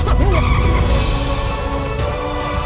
yeng tapi ter